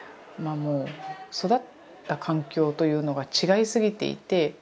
育った環境というのが違いすぎていて。